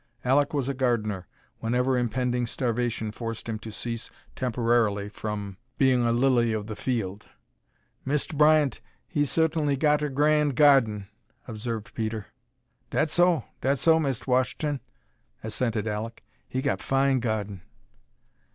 Alek was a gardener, whenever impending starvation forced him to cease temporarily from being a lily of the field. "Mist' Bryant he suhtainly got er grand gawden," observed Peter. "Dat so, dat so, Mist' Wash'ton," assented Alek. "He got fine gawden."